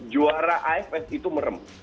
juara afs itu meremuk